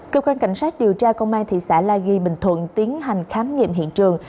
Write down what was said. cơ quan cảnh sát điều tra công an thị xã la ghi bình thuận tiến hành khám nghiệm hiện trường